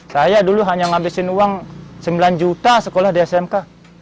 saya dulu hanya ngabisin uang sembilan juta sekolah di smk